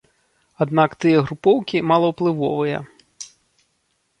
Аднак тыя групоўкі малаўплывовыя.